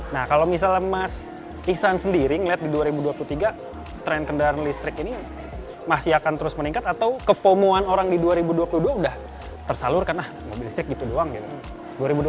nah kalau misalnya mas ihsan sendiri melihat di dua ribu dua puluh tiga tren kendaraan listrik ini masih akan terus meningkat atau ke fomo an orang di dua ribu dua puluh dua udah tersalurkan ah mobil listrik gitu doang gitu